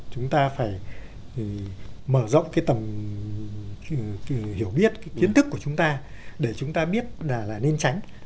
chúng ta phải mở rộng cái tầm hiểu biết cái kiến thức của chúng ta để chúng ta biết là nên tránh